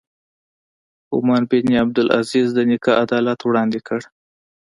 عمر بن عبدالعزیز د نیکه عدالت وړاندې کړ.